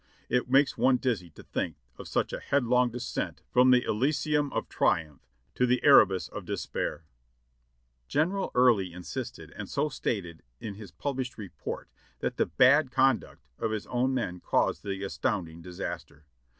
It makes one dizzy to think of such a headlong descent from the Elysium of triumph to the Erebus of despair." (Ibid.) General Early insisted, and so stated in his published report, that the "bad conduct" of his own men caused the astounding disaster.